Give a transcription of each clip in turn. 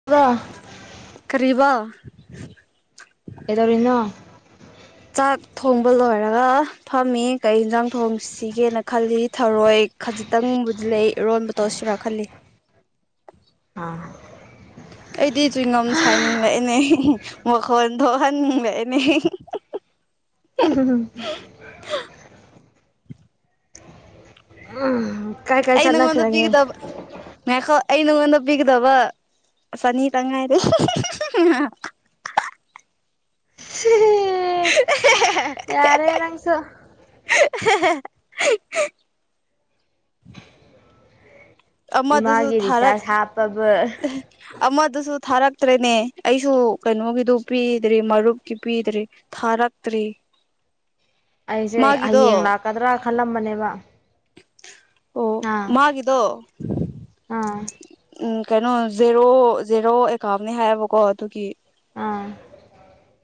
[unintelligible] ꯀꯔꯤꯕ ꯀꯩꯗꯧꯔꯤꯅꯣ ꯆꯥꯛ ꯊꯣꯡꯕ ꯂꯣꯏꯔꯒ ꯐꯝꯃꯤ ꯀꯩ ꯌꯦꯟꯁꯥꯡ ꯊꯣꯡꯁꯤꯒꯦꯅ ꯈꯜꯂꯤ ꯊꯔꯣꯏ ꯈꯖꯤꯛꯇꯪꯕꯨꯗꯤ ꯂꯩ ꯏꯔꯣꯟꯕ ꯇꯧꯁꯤꯔ ꯈꯜꯂꯤ ꯎꯝ ꯑꯩꯗꯤ ꯆꯤꯡꯒꯝ ꯁꯥꯏꯅꯤꯡꯂꯛꯑꯦꯅꯦ ꯃꯈꯣꯟ ꯊꯣꯛꯍꯟꯅꯤꯡꯂꯛꯑꯅꯦ ꯎꯝ ꯎ ꯀꯥꯏ ꯀ ꯑꯩ ꯅꯥꯉꯣꯟꯗ ꯄꯤꯒꯗꯕ ꯉꯥꯏꯈꯣ ꯑꯩ ꯅꯉꯣꯟꯗ ꯄꯤꯒꯗꯕ ꯆꯅꯤ ꯇꯪ ꯉꯥꯏꯔꯦ [unintelligible] ꯌꯥꯔꯦ ꯅꯪꯁꯨ [unintelligible] ꯑꯃꯗꯨꯁꯨ ꯏꯃꯥꯒꯤ ꯊꯥꯔꯛ ꯔꯤꯆꯥꯔꯖ ꯍꯥꯞꯄꯕ ꯑꯃꯗꯨꯁꯨ ꯊꯥꯔꯛꯇ꯭ꯔꯦꯅꯦ ꯑꯩꯁꯨ ꯀꯩꯅꯣꯒꯤꯗꯨ ꯄꯤꯗ꯭ꯔꯤ ꯃꯔꯨꯞꯀꯤ ꯄꯤꯗ꯭ꯔꯤ ꯊꯥꯔꯛꯛꯇ꯭ꯔꯤ ꯑꯩꯁꯦ ꯍꯌꯦꯡ ꯂꯥꯛꯀꯗ꯭ꯔꯥ ꯈꯜꯂꯝꯕꯅꯦꯕ ꯑꯣ ꯑꯥ ꯃꯥꯒꯤꯗꯣ ꯑꯥ ꯎꯝ ꯀꯩꯅꯣ ꯖꯦꯔꯣ ꯖꯦꯔꯣ ꯑꯦꯀꯥꯎꯝꯅꯤ ꯍꯥꯏꯌꯦꯕꯀꯣ ꯑꯗꯨꯒꯤ ꯑꯥ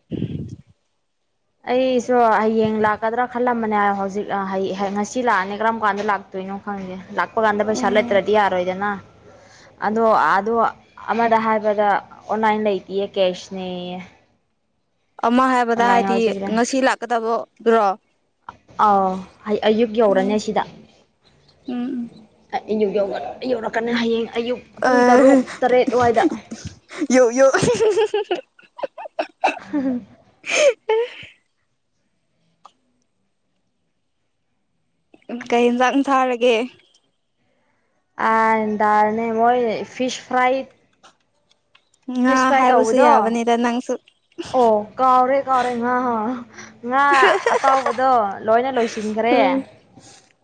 [unintelligible] ꯑꯩꯁꯨ ꯍꯌꯦꯡ ꯂꯥꯛꯀꯗ꯭ꯔꯥ ꯈꯜꯂꯝꯕꯅꯦ ꯍꯧꯖꯤꯛ ꯉꯁꯤ ꯂꯥꯛꯑꯅꯤ ꯀꯔꯝ ꯀꯥꯟꯗ ꯇꯣꯏꯩꯅꯣ ꯈꯪꯗꯦ ꯂꯥꯛꯄ ꯀꯥꯟꯗ ꯄꯩꯁꯥ ꯎꯝ ꯂꯩꯇ꯭ꯔꯗꯤ ꯌꯥꯔꯣꯏꯗꯅ ꯑꯗꯣ ꯑꯗꯣ ꯑꯃꯗ ꯍꯥꯏꯕꯗ ꯑꯣꯟꯂꯥꯏꯟ ꯂꯩꯇꯌꯦ ꯀꯦꯁꯅꯦꯌꯦ ꯑꯃ ꯍꯥꯏꯕꯗ ꯑꯣꯟꯂꯥꯏꯟ ꯍꯥꯏꯗꯤ ꯍꯧꯖꯤꯛ ꯉꯁꯤ ꯂꯥꯛꯀꯗꯕ꯭ꯔꯣ ꯑꯥ ꯑꯌꯨꯛ ꯌꯧꯔꯅꯦ ꯁꯤꯗ ꯎꯝ ꯎꯝ ꯑꯌꯨꯛ ꯉꯟꯅꯥ ꯌꯧꯔꯛꯀꯅꯤ ꯍꯌꯦꯡ ꯑꯌꯨꯛ ꯄꯨꯡ ꯇꯔꯨꯛ ꯑ ꯇꯔꯦꯠ ꯑꯗꯨꯋꯥꯏꯗ ꯌꯣ ꯌꯣ ꯍꯝ ꯍꯝ ꯎ ꯀꯩ ꯌꯦꯟꯖꯥꯡ ꯊꯥꯔꯒꯦ ꯑ ꯇꯔꯅꯦ ꯃꯣꯏ ꯐꯤꯁ ꯐ꯭ꯔꯥꯏ ꯉꯥ ꯐꯤꯁ ꯐ꯭ꯔꯥꯏ ꯍꯥꯏꯕꯁꯨ ꯇꯧꯕꯗꯣ ꯌꯥꯕꯅꯤꯗ ꯅꯪꯁꯨ ꯑꯣ ꯀꯥꯎꯔꯦ ꯀꯥꯎꯔꯦ ꯉꯥ ꯉꯥ ꯑꯇꯥꯎꯕꯗꯣ ꯂꯣꯏꯅ ꯂꯣꯏꯁꯤ ꯆꯤꯟꯈ꯭ꯔꯦ ꯎꯝ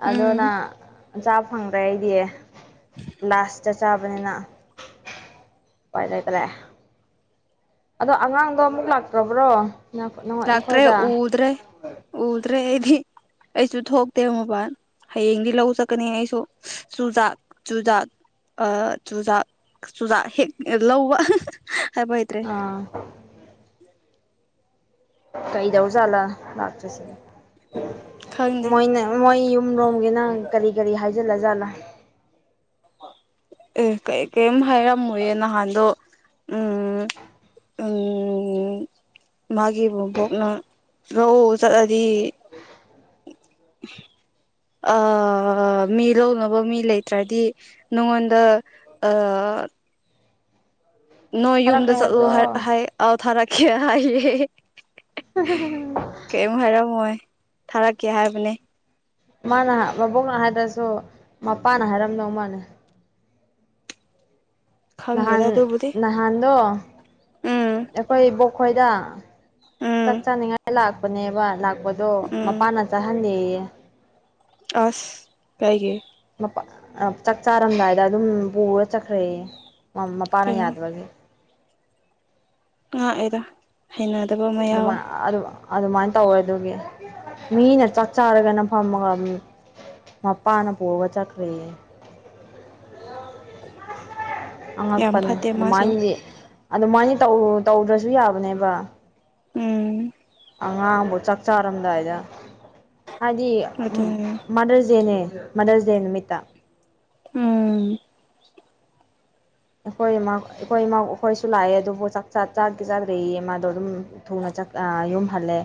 ꯑꯗꯨꯅ ꯎꯝ ꯆꯥꯕ ꯐꯪꯗ꯭ꯔꯦ ꯑꯩꯗꯤ ꯂꯥꯁꯇ ꯆꯥꯕꯅꯤꯅ ꯄꯥꯏ ꯂꯩꯗ꯭ꯔꯦ ꯑꯗꯣ ꯑꯉꯥꯡꯗꯣ ꯑꯃꯨꯛ ꯂꯥꯛꯇ꯭ꯔꯕ꯭ꯔꯣ ꯂꯥꯛꯇ꯭ꯔꯦ ꯅꯈꯣꯏꯗ ꯎꯗ꯭ꯔꯦ ꯎꯗ꯭ꯔꯦ ꯑꯩꯗꯤ ꯑꯩꯁꯨ ꯊꯣꯛꯇꯦ ꯃꯄꯥꯟ ꯍꯌꯦꯡꯗꯤ ꯂꯧ ꯆꯠꯀꯅꯤ ꯑꯩꯁꯨ ꯆꯨꯖꯥꯛ ꯆꯨꯖꯥꯛ ꯑ ꯆꯨꯖꯥꯛ ꯆꯨꯖꯥꯛ ꯍꯦꯛ ꯂꯧꯕ ꯍꯥꯏꯕ ꯍꯥꯏꯇꯔꯦ ꯑꯥ ꯀꯩꯗꯧꯖꯥꯠꯂꯥ ꯂꯥꯛꯇ꯭ꯁꯦ ꯈꯪꯗꯦ ꯃꯣꯏꯅꯦ ꯃꯣꯏ ꯌꯨꯝꯔꯣꯝꯒꯤꯅ ꯀꯔꯤ ꯀꯔꯤ ꯍꯥꯏꯖꯜꯂ ꯖꯥꯠꯂ ꯀꯩ ꯀꯔꯤꯝ ꯍꯥꯏꯔꯝꯃꯣꯏꯌꯦ ꯅꯍꯥꯟꯗꯣ ꯎꯝ ꯎ ꯃꯥꯒꯤ ꯕꯨꯕꯣꯛꯅ ꯂꯧꯎ ꯆꯠꯂꯗꯤ [unintelligible] ꯑ ꯃꯤ ꯂꯧꯅꯕ ꯃꯤ ꯂꯩꯇ꯭ꯔꯗꯤ ꯅꯉꯣꯟꯗ ꯑ ꯅꯣꯏ ꯌꯨꯝꯗ ꯊꯥꯔꯛꯈ꯭ꯔꯦ ꯆꯠꯂꯣ ꯍꯥꯏꯕ꯭ꯔꯣ ꯍꯥꯏ ꯑꯥꯎ ꯊꯥꯔꯛꯀꯦ ꯍꯥꯏꯌꯦ [unintelligible] ꯀꯔꯤꯝ ꯍꯥꯏꯔꯝꯃꯣꯏ ꯊꯥꯔꯛꯀꯦ ꯍꯥꯏꯕꯅꯦ ꯃꯥꯅ ꯃꯕꯣꯛꯅ ꯍꯥꯏꯗ꯭ꯔꯁꯨ ꯃꯄꯥꯅ ꯍꯥꯏꯔꯝꯗꯧ ꯃꯥꯜꯅꯦ ꯅꯍꯥꯟ ꯈꯪꯗꯦꯗ ꯑꯗꯨꯕꯨꯗꯤ ꯅꯍꯥꯟꯗꯣ ꯎꯝ ꯑꯩꯈꯣꯏ ꯕꯣꯛꯈꯣꯏꯗ ꯆꯥꯛ ꯎꯝ ꯆꯥꯅꯤꯡꯉꯥꯏ ꯂꯥꯛꯄꯅꯦꯕ ꯂꯥꯛꯄꯗꯣ ꯎꯝ ꯃꯄꯥꯅ ꯆꯥꯍꯟꯂꯦꯌꯦ ꯑꯁ ꯀꯩꯒꯤ ꯃꯄ ꯆꯥꯛ ꯆꯥꯔꯝꯗꯥꯏꯗ ꯑꯗꯨꯝ ꯄꯨꯔ ꯆꯠꯈ꯭ꯔꯦꯌꯦ ꯃꯄꯥꯥꯅ ꯀꯩꯅꯣ ꯌꯥꯗꯕꯒꯤ ꯉꯛꯑꯦꯗꯥ ꯍꯩꯅꯗꯕ ꯑꯃ ꯑꯗꯨꯃꯥꯏ ꯑ ꯑꯗꯨꯃꯥꯏꯅ ꯇꯧꯋꯦ ꯑꯗꯨꯒꯤ ꯃꯤꯅ ꯆꯥꯛ ꯆꯥꯔꯒꯅ ꯐꯝꯃꯒ ꯃꯄꯥꯅ ꯄꯨꯔꯒ ꯆꯠꯈ꯭ꯔꯦꯌꯦ ꯌꯥꯝ ꯑꯉꯛꯄꯅꯦ ꯐꯠꯇꯦ ꯃꯥꯁꯨ ꯑꯗꯨꯃꯥꯏꯅꯗꯤ ꯑꯗꯨꯃꯥꯏꯅꯗꯤ ꯇꯧꯗ꯭ꯔꯁꯨ ꯌꯥꯕꯅꯦꯕ ꯎꯝ ꯑꯉꯥꯡꯕꯨ ꯆꯥꯛ ꯆꯥꯔꯝꯗꯥꯏꯗ ꯍꯥꯏꯗꯤ ꯎꯝ ꯑꯗꯨꯅꯦ ꯃꯥꯗꯔ꯭ꯁ ꯗꯦꯅꯦ ꯃꯥꯗꯔ꯭ꯁ ꯗꯦ ꯅꯨꯃꯤꯠꯇ ꯎꯝ ꯑꯩꯈꯣꯏꯃꯥ ꯑꯩꯈꯣꯏꯃꯥ ꯑꯩꯈꯣꯏꯁꯨ ꯂꯥꯛꯑꯦ ꯑꯗꯨꯕꯨ ꯆꯥꯛ ꯆ ꯆꯥꯗꯤ ꯆꯥꯗ꯭ꯔꯩꯌꯦ ꯃꯥꯗꯣ ꯑꯗꯨꯝ ꯊꯨꯅ ꯆꯛ ꯑ ꯌꯨꯝꯍꯜꯂꯦ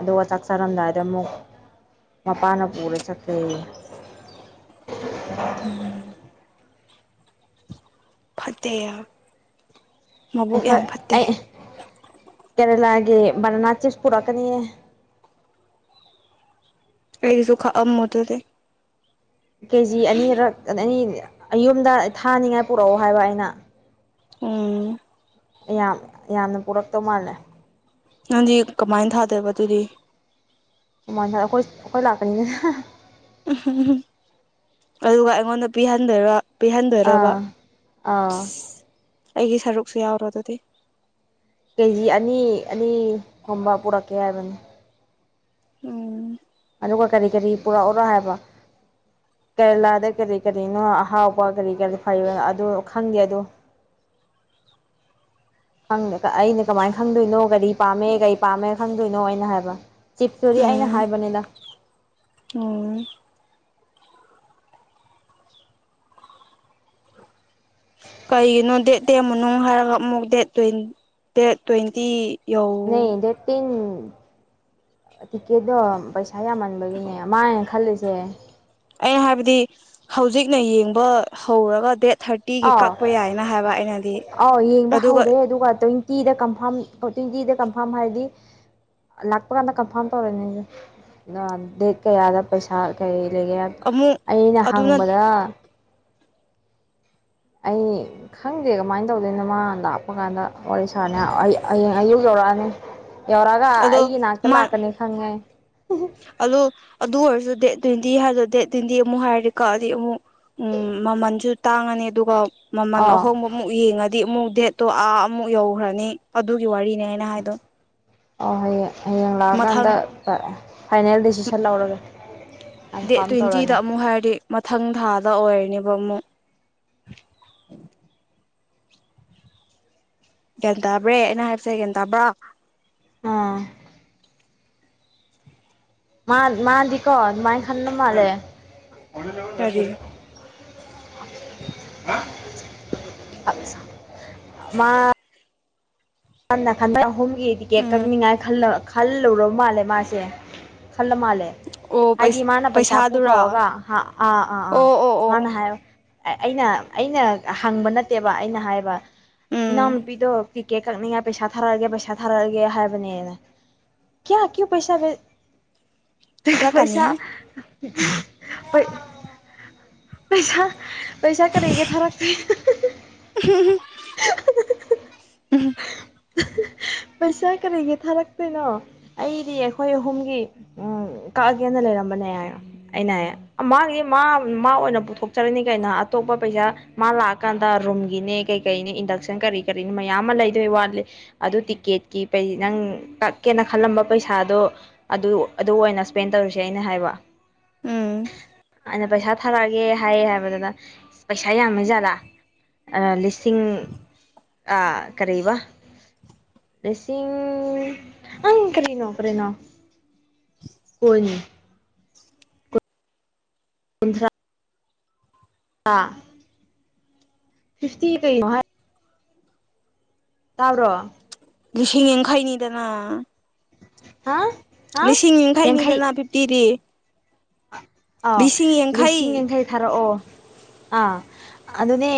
ꯑꯗꯨꯒ ꯆꯥꯛ ꯆꯥꯔꯝꯗꯥꯏꯗ ꯑꯃꯨꯛ ꯃꯄꯥꯥꯅ ꯄꯨꯔ ꯆꯠꯈ꯭ꯦꯌꯦ ꯎꯝ ꯐꯠꯇꯦꯌꯥ ꯑꯩꯈꯣꯏ ꯑꯩ ꯀꯦꯔꯦꯂꯥꯒꯤ ꯕꯅꯅꯥ ꯆꯤꯞ꯭ꯁ ꯄꯨꯔꯛꯀꯅꯤꯌꯦ ꯑꯩꯒꯤꯁꯨꯨ ꯈꯥꯛꯑꯝꯃꯣ ꯑꯗꯨꯗꯤ ꯀꯦꯖꯤ ꯑꯅꯤꯔꯛ ꯑ ꯑꯅꯤ ꯑꯌꯨꯝꯗ ꯊꯥꯅꯤꯡꯉꯥꯏ ꯄꯨꯔꯛꯑꯣ ꯍꯥꯏꯕ ꯑꯩꯅ ꯎꯝ ꯌꯥꯝ ꯌꯥꯝꯅ ꯄꯨꯔꯛꯇꯧ ꯃꯥꯜꯂꯦ ꯅꯪꯗꯤ ꯀꯃꯥꯏ꯭ꯅ ꯊꯥꯗꯣꯏꯕ ꯑꯗꯨꯗꯤ [unintelligible] ꯑꯩꯈꯣꯏ ꯑꯩꯈꯣꯏ ꯂꯥꯛꯀꯅꯤ ꯑꯗꯨꯒ ꯑꯩꯉꯣꯟꯗ ꯄꯤꯍꯟꯗꯣꯏꯔ ꯄꯤꯍꯟꯗꯣꯏꯔꯥꯕ ꯑꯥ ꯑꯥ ꯁꯤ ꯑꯩꯒꯤ ꯁꯔꯨꯛꯁꯨ ꯌꯥꯎꯔꯣ ꯑꯗꯨꯗꯤ ꯀꯦꯖꯤ ꯑꯅꯤ ꯑꯅꯤꯒꯨꯝꯕ ꯄꯨꯔꯛꯀꯦ ꯍꯥꯏꯕꯅꯤ ꯎꯝ ꯑꯗꯨꯒ ꯀꯔꯤ ꯀꯔꯤ ꯄꯨꯔꯛ ꯑꯣꯔꯥ ꯍꯥꯏꯕ ꯀꯦꯔꯂꯥꯗ ꯀꯔꯤ ꯀꯔꯤꯅꯣ ꯑꯍꯥꯎꯕ ꯀꯔꯤ ꯀꯔꯤ ꯐꯩ ꯑꯗꯣ ꯈꯪꯗꯦ ꯑꯗꯣ ꯈꯪꯗ ꯑꯩꯅ ꯀꯃꯥꯏ꯭ꯅ ꯈꯪꯗꯣꯏꯅꯣ ꯀꯔꯤ ꯄꯥꯝꯃꯦ ꯀꯩ ꯄꯥꯝꯃꯦ ꯈꯪꯗꯣꯏꯅꯣ ꯑꯩꯅ ꯍꯥꯏꯕ ꯆꯤꯞ꯭ꯇꯨꯗꯤ ꯑꯩꯅ ꯎꯝ ꯍꯥꯏꯕꯅꯤꯗ ꯎꯝ ꯥꯀꯩꯒꯤꯅꯣ ꯗꯦꯠ ꯇꯦꯟ ꯃꯅꯨꯡ ꯍꯥꯏꯔꯒ ꯑꯃꯨꯛ ꯗꯦꯠ ꯇ꯭ꯋꯦꯟ ꯗꯦꯠ ꯇ꯭ꯋꯦꯟꯇꯤ ꯌꯧ ꯅꯩ ꯗꯦꯠ ꯇꯤꯟ ꯆꯤꯆꯦꯗꯣ ꯄꯩꯁꯥ ꯌꯥꯝꯃꯟꯕꯒꯤꯅꯦ ꯃꯥꯅ ꯈꯜꯂꯤꯁꯦ ꯑꯩꯅ ꯍꯥꯏꯕꯗꯤ ꯍꯧꯖꯤꯛꯅ ꯌꯦꯡꯕ ꯍꯧꯔꯒ ꯗꯦꯠ ꯊꯥꯔ ꯑꯥꯎ ꯑꯥꯎ ꯌꯦꯡꯕ ꯍꯧꯔꯦ ꯑꯗꯨꯒ ꯇ꯭ꯋꯦꯟ ꯇꯤꯗ ꯀꯟꯐꯥ꯭ꯔꯝ ꯇ꯭ꯋꯦꯟꯇꯤꯗ ꯀꯟꯐꯥꯝ ꯍꯥꯏꯔꯗꯤ ꯂꯥꯛꯄ ꯀꯥꯟꯗ ꯀꯟꯐꯥ꯭ꯔꯝ ꯇꯧꯔꯅꯤ [unintelligible] ꯗꯦꯠ ꯀꯌꯥꯗ ꯄꯩꯁꯥ ꯀꯩ ꯂꯩꯒꯦ ꯑꯃꯨꯛ ꯑꯩꯅ ꯑꯗꯨꯅ ꯍꯪꯕꯗ ꯑꯩ ꯈꯪꯗꯦ ꯀꯃꯥꯏ꯭ꯟ ꯇꯧꯗꯣꯏꯅꯣ ꯃꯥ ꯂꯥꯛꯄ ꯀꯥꯟꯗ ꯋꯥꯔꯤ ꯁꯥꯅꯦ ꯑꯩ ꯑꯩꯌꯦꯡ ꯑꯌꯨꯛ ꯌꯧꯔꯛꯑꯅꯤ ꯌꯧꯔꯛꯑꯒ ꯑꯗꯣ ꯑꯩꯒꯤ ꯅꯥꯛꯇ ꯃꯥ ꯂꯥꯛꯀꯅꯤ ꯈꯪꯉꯦ ꯑꯗꯨ ꯑꯗꯨ ꯑꯣꯏꯔꯁꯨ ꯗꯦꯠ ꯇ꯭ꯋꯦꯟꯇꯤ ꯍꯥꯏꯗꯣ ꯗꯦꯠ ꯇ꯭ꯋꯦꯟꯇꯤ ꯑꯃꯨꯛ ꯍꯥꯏꯔꯗꯤ ꯀꯛꯑꯗꯤ ꯑꯃꯨꯛ ꯎꯝ ꯃꯃꯟꯖꯨ ꯇꯥꯡꯉꯅꯤ ꯑꯗꯨꯒ ꯃꯃꯟ ꯑꯥ ꯑꯍꯣꯡꯕ ꯑꯃꯨꯛ ꯌꯦꯡꯉꯗꯤ ꯑꯃꯨꯛ ꯗꯦꯠꯇꯣ ꯑꯥ ꯑꯃꯨꯛ ꯌꯧꯈ꯭ꯔꯅꯤ ꯑꯗꯨꯒꯤ ꯋꯥꯔꯤꯅꯦ ꯑꯩꯅ ꯍꯥꯢꯗꯣ ꯑꯣ ꯍꯥꯢꯌꯦ ꯍꯌꯦꯡ ꯃꯊꯪ ꯂꯥꯛꯑꯀꯥꯟꯗ ꯑ ꯐꯥꯢꯅꯦꯜ ꯗꯤꯁꯤꯖꯟ ꯂꯧꯔꯒꯦ ꯗꯦꯠ ꯀꯟꯐꯥꯝ ꯇꯧꯔꯅꯤ ꯇ꯭ꯋꯦꯟꯇꯤꯗ ꯑꯃꯨꯛ ꯍꯥꯏꯔꯗꯤ ꯃꯊꯪ ꯊꯥꯗ ꯑꯣꯢꯔꯅꯤꯕ ꯑꯃꯨꯛ ꯒ꯭ꯌꯥꯟ ꯇꯥꯕ꯭ꯔꯦ ꯑꯩꯅ ꯍꯥꯢꯕꯁꯦ ꯒ꯭ꯌꯥ ꯇꯕ꯭ꯔꯣ ꯑꯥ ꯃꯥꯟ ꯃꯥ ꯗꯤꯀꯣ ꯑꯗꯨꯃꯥꯥꯢꯅ ꯈꯥꯟꯕ ꯃꯥꯜꯂꯦ [unintelligible] ꯀꯔꯤ ꯃꯥ ꯑꯟꯅ ꯍꯟꯅ ꯑꯍꯨꯝꯒꯤ ꯇꯤꯀꯦꯠ ꯎꯝ ꯀꯛꯅꯤꯡꯉꯥꯢ ꯈꯜꯂ ꯈꯜꯂꯨꯔꯕ ꯃꯥꯜꯂꯦ ꯃꯥꯁꯦ ꯈꯜꯂ ꯃꯥꯜꯂꯦ ꯑꯣ ꯍꯥꯢꯗꯤ ꯃꯥꯅ ꯄꯩꯁꯥ ꯄꯩꯁꯥꯗꯨꯔꯥ ꯄꯨꯊꯣꯛꯑꯒ ꯑꯥ ꯑꯥ ꯑꯥ ꯑꯣ ꯑꯣ ꯑꯣ ꯃꯥꯅ ꯍꯥꯢ ꯑꯩꯅ ꯑꯩꯅ ꯍꯪꯕ ꯅꯠꯇꯦꯕ ꯑꯩꯅ ꯍꯥꯢꯕ ꯎꯝ ꯏꯅꯥꯎꯅꯨꯄꯤꯗꯣ ꯇꯤꯀꯦꯛ ꯀꯛꯅꯤꯡꯉꯥꯢ ꯄꯩꯁꯥ ꯊꯥꯔꯛꯑꯒꯦ ꯄꯩꯁꯥ ꯊꯥꯔꯛꯑꯒꯦ ꯍꯥꯢꯕꯅꯦ ꯀꯤꯌꯥ ꯀ꯭ꯌꯨ ꯄꯩꯁꯥꯒꯦ ꯈꯔ ꯀꯥꯅꯤꯍꯦ ꯄꯩꯁꯥ ꯄꯩ ꯄꯩꯁꯥ ꯄꯩꯁꯥ ꯀꯔꯤꯒꯤ ꯊꯥꯔꯛꯇꯦ ꯎꯝ ꯄꯩꯁꯥ ꯀꯔꯤꯒꯤ ꯊꯥꯔꯛꯇꯣꯢꯅꯣ ꯑꯩꯗꯤ ꯑꯩꯈꯣꯢ ꯑꯍꯨꯝꯒꯤ ꯎꯝ ꯀꯛꯑꯒꯦꯅ ꯂꯩꯔꯝꯕꯅꯦ ꯍꯥꯢ ꯑꯩꯅ ꯍꯥꯢꯌꯦ ꯃꯥꯒꯤ ꯃꯥ ꯃꯥ ꯑꯣꯢꯅ ꯄꯨꯊꯣꯛꯆꯔꯅꯤ ꯀꯩꯅꯣ ꯑꯇꯣꯞꯄ ꯄꯩꯁꯥ ꯃꯥ ꯂꯥꯛꯑꯀꯥꯟꯗ ꯔꯨꯝꯒꯤꯅꯦ ꯀꯩ ꯀꯩꯅꯤ ꯏꯟꯗꯛꯁꯟ ꯀꯔꯤ ꯀꯔꯤꯅꯤ ꯃꯌꯥꯝ ꯑꯃ ꯂꯩ ꯑꯗꯨ ꯋꯥꯠꯂꯤ ꯑꯗꯨ ꯇꯤꯀꯦꯠꯀꯤ ꯄꯩ ꯅꯪ ꯀꯛꯀꯦꯅ ꯈꯜꯂꯝꯕ ꯄꯩꯁꯥꯗꯣ ꯑꯗꯨ ꯑꯗꯨ ꯑꯣꯢꯅ ꯏꯁꯄꯦꯟ ꯇꯧꯔꯨꯁꯦ ꯑꯩꯅ ꯍꯥꯢꯕ ꯎꯝ ꯑꯩꯅ ꯄꯩꯁꯥ ꯊꯥꯔꯛꯑꯒꯦ ꯍꯥꯢꯌꯦ ꯍꯥꯢꯕꯗꯨꯅ ꯄꯩꯁꯥ ꯌꯥꯝꯃꯖꯥꯠꯂꯥ ꯑ ꯂꯤꯁꯤꯡ ꯑ ꯀꯔꯤꯕ ꯂꯤꯁꯤꯡ ꯑꯪ ꯀꯔꯤꯅꯣ ꯀꯔꯤꯅꯣ ꯀꯨꯟ ꯀꯨꯟꯊ꯭ꯔꯥ ꯑ ꯐꯤꯐꯇꯤ ꯀꯩꯅꯣ ꯍꯥꯢ ꯇꯥꯕ꯭ꯔꯣ ꯂꯤꯁꯤꯡ ꯌꯥꯡꯈꯩꯅꯤꯗꯅ ꯍꯥꯥ ꯂꯤꯁꯤꯡ ꯌꯥꯡꯈꯩꯅꯤꯗꯅ ꯐꯤꯐꯇꯤꯗꯤ ꯑꯥꯎ ꯂꯤꯁꯤꯡ ꯌꯥꯡꯈꯩ ꯊꯥꯔꯛꯑꯣ ꯑꯥ ꯑꯗꯨꯅꯦ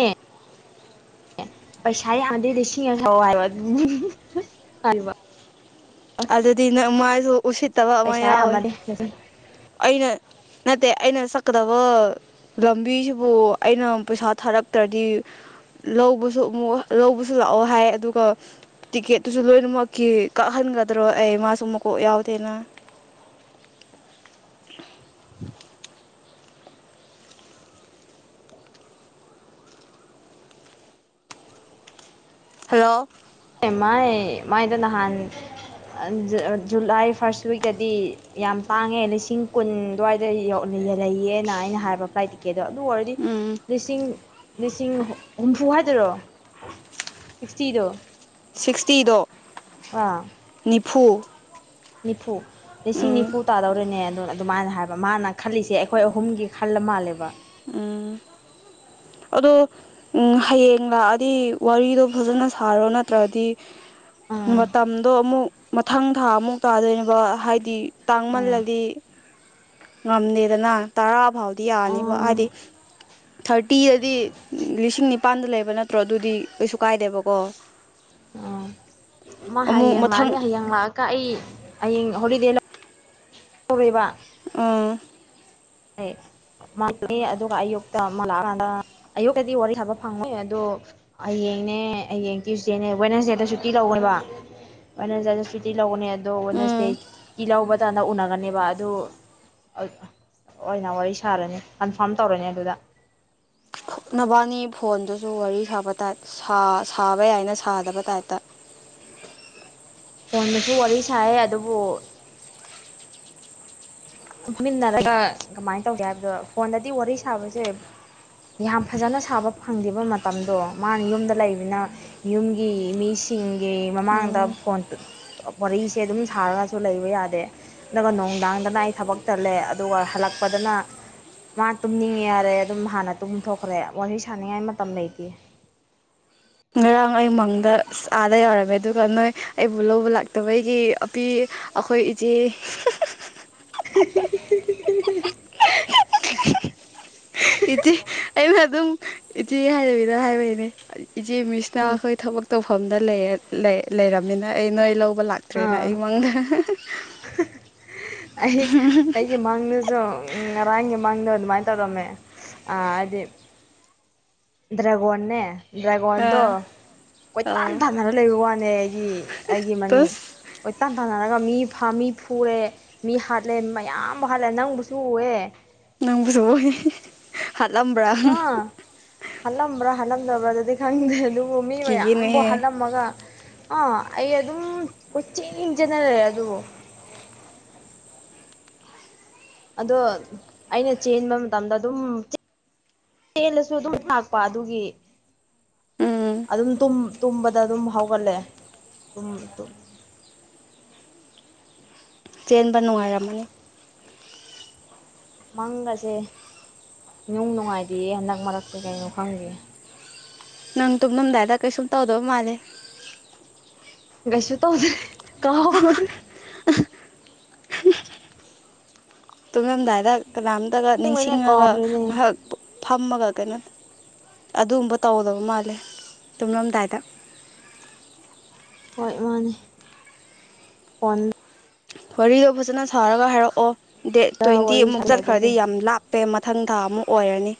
ꯄꯩꯁꯥ ꯌꯥꯝꯗꯦ ꯂꯤꯁꯤꯡ ꯑ ꯊꯥꯎꯑꯣ ꯍꯥꯢꯕ ꯑꯗꯨꯗꯤ ꯅꯪ ꯃꯥꯁꯨ ꯎꯁꯤꯠꯇꯕ ꯑꯃ ꯄꯩꯁꯥ ꯌꯥꯎꯋꯤ ꯌꯥꯝꯃꯗꯤ ꯂꯤꯁꯤꯡ ꯑꯩꯅ ꯅꯠꯇꯦ ꯑꯩꯅ ꯁꯛꯀꯗꯕ ꯂꯝꯕꯤꯁꯤꯕꯨ ꯑꯩꯅ ꯄꯩꯁꯥ ꯊꯥꯔꯛꯇ꯭ꯔꯗꯤ ꯂꯧꯕꯁꯨ ꯑꯃꯨꯛ ꯂꯧꯕꯁꯨ ꯂꯥꯛꯑꯣ ꯍꯥꯢ ꯑꯗꯨꯒ ꯇꯤꯀꯦꯠꯇꯨꯁꯨ ꯂꯣꯢꯅꯃꯛꯀꯤ ꯀꯛꯍꯟꯒꯗ꯭ꯔꯣ ꯑꯩ ꯃꯥꯁꯨ ꯃꯀꯣꯛ ꯌꯥꯎꯗꯦꯅ ꯍꯜꯂꯣ ꯑꯦꯃꯥꯢ ꯃꯥꯢꯗ ꯅꯍꯥꯟ ꯖꯨꯂꯥꯢ ꯐꯥꯔꯁ ꯋꯤꯛꯇꯗꯤ ꯌꯥꯝ ꯄꯥꯡꯉꯦ ꯂꯤꯁꯤꯡ ꯀꯨꯟ ꯑꯗꯨꯋꯥꯢꯗ ꯏꯌꯣꯂꯤꯂꯂ ꯂꯩꯌꯦꯅ ꯑꯩꯅ ꯍꯥꯢꯕ ꯐ꯭ꯂꯥꯏꯠ ꯇꯤꯀꯦꯠꯇꯣ ꯑꯗꯨ ꯑꯣꯏꯔꯗꯤ ꯎꯝ ꯂꯤꯁꯤꯡ ꯂꯤꯁꯤꯡ ꯍꯨꯝꯐꯨ ꯍꯥꯏꯗꯨꯔꯣ ꯁꯤꯛꯁꯇꯤꯗꯣ ꯁꯤꯛꯁꯇꯤꯗꯣ ꯋꯥ ꯅꯤꯐꯨ ꯅꯤꯐꯨ ꯂꯤꯁꯤꯡ ꯎꯝ ꯅꯤꯐꯨ ꯇꯥꯗꯧꯔꯦꯅꯦ ꯑꯗꯨ ꯑꯗꯨꯃꯥꯏꯅ ꯍꯥꯏꯕ ꯃꯥꯅ ꯈꯜꯂꯤꯁꯦ ꯑꯩꯈꯣꯏ ꯑꯍꯨꯝꯒꯤ ꯈꯜꯂ ꯃꯥꯜꯂꯦꯕ ꯑꯝ ꯑꯗꯣ ꯎꯝ ꯍꯌꯦꯡ ꯂꯥꯛꯑꯗꯤ ꯋꯥꯔꯤꯗꯣ ꯐꯖꯅ ꯁꯥꯔꯣ ꯅꯠꯇ꯭ꯔꯗꯤ ꯑꯥ ꯃꯇꯝꯗꯣ ꯑꯃꯨꯛ ꯃꯊꯪ ꯊꯥ ꯑꯃꯨꯛ ꯇꯥꯗꯣꯏꯅꯦꯕ ꯍꯥꯏꯗꯤ ꯎꯝ ꯇꯥꯡꯃꯜꯂꯂꯤ ꯉꯝꯗꯦꯗꯅ ꯇꯔꯥ ꯐꯥꯎꯗꯤ ꯌꯥꯅꯤꯕ ꯍꯥꯏꯗꯤ ꯊꯥꯔꯇꯤꯗꯗꯤ ꯂꯤꯁꯤꯡ ꯅꯤꯄꯥꯟꯗ ꯂꯩꯕ ꯅꯠ ꯭ꯠ꯭ꯇꯣ ꯑꯗꯨꯗꯤ ꯀꯩꯁꯨ ꯀꯥꯏꯗꯦꯕꯀꯣ ꯎꯝ ꯃꯥ ꯑꯃꯨꯛ ꯍꯌꯦꯡ ꯃꯊꯪ ꯂꯥꯛꯑꯅꯤ ꯍꯌꯦꯡ ꯂꯥꯛꯑꯒ ꯑꯩ ꯍꯌꯦꯡ ꯍꯣꯂꯤꯗꯦ ꯂꯧ ꯇꯧꯏꯕ ꯑꯥ ꯑꯦ ꯃꯥꯝꯃꯦ ꯑꯗꯨꯒ ꯑꯌꯨꯛꯇ ꯑꯃꯨꯛ ꯂꯥꯛꯑꯀꯥꯟꯗ ꯑꯌꯨꯛꯇꯗꯤ ꯋꯥꯔꯤ ꯁꯕ ꯐꯪꯉꯣꯏ ꯑꯗꯨ ꯍꯌꯦꯡꯅꯦ ꯍꯌꯦꯡ ꯇ꯭ꯌꯨꯁꯗꯦꯅꯦ ꯋꯦꯟꯁꯗꯦꯗ ꯁꯨꯇꯤ ꯂꯧꯏꯕ ꯋꯦꯅꯦꯁꯗꯥꯏ ꯁꯨꯇꯤ ꯂꯧꯕꯅꯦ ꯑꯗꯣ ꯋꯦꯅꯁꯗꯦ ꯎꯝ ꯁꯨꯇꯤ ꯂꯧꯕ ꯀꯥꯟꯗ ꯎꯅꯒꯅꯦꯕ ꯑꯗ ꯑꯣꯏꯅ ꯋꯥꯔꯤ ꯁꯥꯔꯅꯤ ꯀꯟꯐꯥꯔꯝ ꯇꯧꯔꯅꯤ ꯑꯗꯨꯗ ꯅꯕꯥꯅꯤ ꯐꯣꯟꯗꯨꯁꯨ ꯋꯥꯔꯤ ꯁꯥꯕ ꯇꯥꯏꯞ ꯁꯥꯕ ꯌꯥꯏꯅ ꯁꯥꯗꯕ ꯇꯥꯏꯞꯇ ꯐꯣꯟꯗꯁꯨ ꯋꯥꯔꯤ ꯁꯥꯏ ꯑꯗꯨꯕꯨ ꯐꯝꯃꯤꯟꯅꯔꯒ ꯀꯃꯥꯏꯅ ꯇꯧꯒꯦ ꯍꯥꯏꯕꯗꯣ ꯐꯣꯟꯗꯗꯤ ꯋꯥꯔꯤ ꯁꯥꯕꯁꯦ ꯌꯥꯝ ꯐꯖꯅ ꯁꯥꯕ ꯐꯪꯗꯦꯕ ꯃꯇꯝꯗꯣ ꯃꯥꯅ ꯌꯨꯝꯗ ꯂꯩꯕꯅꯤꯅ ꯌꯨꯝꯒꯤ ꯃꯤꯁꯤꯡꯒꯤ ꯃꯃꯥꯡꯗ ꯎꯝ ꯐꯣꯟ ꯇ ꯋꯥꯔꯤꯁꯦ ꯑꯗꯨꯝ ꯁꯥꯔꯒꯁꯨ ꯂꯩꯕ ꯌꯥꯗꯦ ꯑꯗꯑꯥꯒ ꯅꯨꯡꯗꯥꯡꯗꯅ ꯊꯕꯛ ꯇꯜꯂꯦ ꯑꯗꯨꯒ ꯍꯜꯂꯛꯄꯗꯅ ꯃꯥ ꯇꯨꯝꯅꯤꯡꯉꯦ ꯌꯥꯔꯦ ꯑꯗꯨꯝ ꯍꯥꯟꯅ ꯇꯨꯝꯊꯣꯛꯈ꯭ꯔꯦ ꯋꯥꯔꯤ ꯁꯥꯟꯅꯤꯡꯉꯥꯏ ꯃꯇꯝ ꯂꯩꯇꯦ ꯉꯔꯥꯡ ꯑꯩ ꯃꯪꯗ ꯑꯥꯗ ꯌꯧꯔꯝꯃꯦ ꯑꯗꯨꯒ ꯅꯣꯏ ꯑꯩꯕꯨ ꯂꯧꯕ ꯂꯥꯛꯇꯕꯩꯒꯤ ꯑꯄꯤ ꯑꯩꯈꯣꯏ ꯏꯆꯦ [inaudible] ꯏꯆꯦ ꯑꯩꯅ ꯑꯗꯨꯝ ꯏꯆꯦ ꯍꯥꯏꯗꯕꯤꯗ ꯍꯥꯏꯕꯩꯅꯦ ꯏꯆꯦ ꯎꯝ ꯃꯤꯁꯅ ꯈꯣꯏ ꯊꯕꯛ ꯇꯧꯐꯝꯗ ꯂꯩꯔꯝꯃꯤꯅ ꯑꯩ ꯅꯣꯏ ꯂꯧꯕ ꯂꯥꯛꯇ꯭ꯔꯦꯅ ꯑꯥ ꯑꯩ ꯃꯪꯗ ꯑꯩ ꯑꯩꯒꯤ ꯃꯥꯡꯗꯁꯨ ꯎꯝ ꯉꯔꯥꯡꯒꯤ ꯃꯥꯡꯗꯣ ꯑꯗꯨꯃꯥꯏꯅ ꯇꯧꯔꯝꯃꯦ ꯑꯥ ꯍꯥꯏꯗꯤ ꯗ꯭ꯔꯒꯣꯟꯅꯦ ꯗ꯭ꯔꯦꯒꯣꯟꯗꯣ ꯑꯥ ꯀꯣꯏꯇꯥꯟ ꯑꯥ ꯊꯥꯅꯔ ꯂꯩꯕ ꯋꯥꯅꯦ ꯑꯩꯒꯤ ꯑꯩꯒꯤ ꯃꯅꯤꯡ ꯇꯁ ꯀꯣꯏꯇꯥꯟ ꯇꯥꯟꯅꯔꯒ ꯃꯤ ꯐꯥ ꯃꯤ ꯐꯨꯔꯦ ꯃꯤ ꯍꯥꯠꯂꯦ ꯃꯌꯥꯝꯕꯨ ꯍꯥꯠꯂꯦ ꯅꯪꯕꯨꯁꯨ ꯎꯑꯦ ꯅꯪꯕꯨꯁꯨ ꯎꯏ ꯍꯠꯂꯝꯕ꯭ꯔꯥ ꯑꯥ ꯍꯥꯠꯂꯝꯕ꯭ꯔꯥ ꯍꯥꯠꯂꯝꯗꯕ꯭ꯔꯥ ꯑꯗꯨꯗꯤ ꯈꯪꯗꯦ ꯑꯗꯨꯕꯨ ꯃꯤ ꯃꯌꯥꯝꯕꯨ ꯀꯤꯒꯤꯅꯦꯍꯦ ꯍꯥꯠꯂꯝꯃꯒ ꯑꯥ ꯑꯩ ꯑꯗꯨꯝ ꯀꯣꯏꯆꯦꯜ ꯆꯦꯟꯗꯨꯅ ꯂꯩꯔꯦ ꯑꯗꯨꯕꯨ ꯑꯗꯣ ꯑꯩꯅ ꯆꯦꯟꯕ ꯃꯇꯝꯗ ꯑꯗꯨꯝ ꯆꯦ ꯆꯦꯜꯂꯁꯨ ꯑꯗꯨꯝ ꯂꯥꯛꯄ ꯑꯗꯨꯒꯤ ꯎꯝ ꯑꯗꯨꯝ ꯇꯨꯝ ꯇꯨꯝꯕꯗ ꯑꯗꯨꯝ ꯍꯧꯒꯠꯂꯦ ꯗꯨꯝ ꯆꯦꯟꯕ ꯅꯨꯡꯉꯥꯏꯔꯝꯃꯅꯤ ꯃꯪꯒꯁꯦ ꯅꯨꯡ ꯅꯨꯡꯉꯥꯏꯗꯤꯌꯦ ꯍꯟꯗꯛ ꯃꯔꯛꯁꯦ ꯀꯩꯅꯣ ꯈꯪꯗꯤꯌꯦ ꯅꯪ ꯇꯨꯝꯂꯝꯗꯥꯏꯗ ꯀꯩꯁꯨꯝ ꯇꯧꯗꯕ ꯃꯥꯜꯂꯦ ꯀꯩꯁꯨ ꯇꯧꯗꯦ ꯀꯥꯎꯈꯔꯦ ꯇꯨꯝꯉꯝꯗꯥꯏꯗ ꯀꯅꯥꯝꯇꯒ ꯑꯁꯦꯡꯕꯩꯅꯦ ꯅꯤꯡꯁꯤꯡꯉꯒ ꯀꯥꯎꯈ꯭ꯔꯦꯅꯦ ꯉꯍꯥꯛ ꯐꯝꯃꯒ ꯀꯩꯅꯣ ꯑꯗꯨꯒꯨꯝꯕ ꯇꯧꯗꯕ ꯃꯥꯜꯂꯦ ꯇꯨꯝꯂꯝꯗꯥꯏꯗ ꯍꯣꯏ ꯃꯥꯅꯦ ꯐꯣꯟ ꯋꯥꯔꯤꯗꯣ ꯐꯖꯟꯅ ꯁꯥꯔꯒ ꯍꯥꯏꯔꯛꯑꯣ ꯗꯦꯠ ꯇ꯭ꯋꯦꯟꯇꯤ ꯋꯥꯔꯤ ꯑꯃꯨꯛ ꯁꯥꯟꯅꯩ ꯆꯠꯈ꯭ꯔꯗꯤ ꯑꯗꯨꯒꯤ ꯌꯥꯝꯅ ꯂꯥꯞ ꯄꯦ ꯃꯊꯪ ꯊꯥ ꯃꯨꯛ ꯑꯣꯏꯔꯅꯤ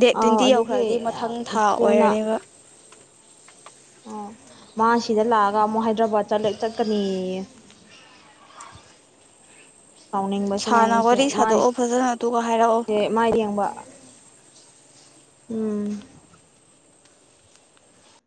ꯗꯦꯠ ꯑꯥꯎ ꯇ꯭ꯋꯦꯟꯇꯤ ꯑꯗꯨꯒꯤ ꯌꯧꯈ꯭ꯔꯗꯤ ꯃꯊꯪ ꯊꯥ ꯊꯨꯅ ꯑꯣꯏꯔꯅꯦꯕ ꯑꯣ ꯃꯥ ꯁꯤꯗ ꯂꯥꯛꯑꯒ ꯑꯃꯨꯛ ꯍꯥꯏꯗ꯭ꯔꯕꯥꯠ ꯆꯠꯂ ꯆꯠꯀꯅꯤꯌꯦ ꯄꯥꯎꯅꯤꯡ ꯁꯥꯥꯟꯅ ꯋꯥꯔꯤ ꯁꯥꯗꯣꯛꯑꯣ ꯐꯖꯟꯅ ꯑꯗꯨꯒ ꯍꯥꯏꯔꯛꯑꯣ ꯃꯥꯏ ꯌꯦꯡꯕ ꯎꯝ